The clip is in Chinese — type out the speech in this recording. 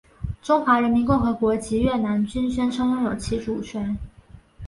中华人民共和国及越南均宣称拥有其主权。